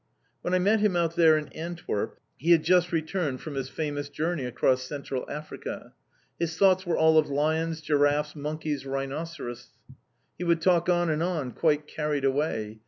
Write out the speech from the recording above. When I met him out there in Antwerp, he had just returned from his famous journey across Central Africa. His thoughts were all of lions, giraffes, monkeys, rhinoceros. He would talk on and on, quite carried away.